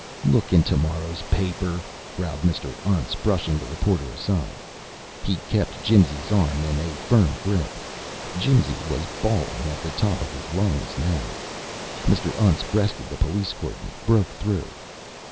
"Look in tomorrow's paper!" growled Mr. Untz, brushing the reporter aside. He kept Jimsy's arm in a firm grip. Jimsy was bawling at the top of his lungs now. Mr. Untz breasted the police cordon, broke through.